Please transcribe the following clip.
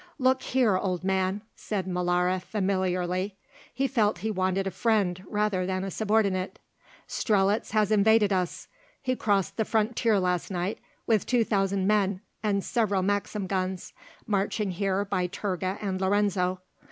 "Look here, old man," said Molara familiarly, he felt he wanted a friend rather than a subordinate "Strelitz has invaded us. He crossed the frontier last night with two thousand men and several Maxim guns, marching here by Turga and Lorenzo.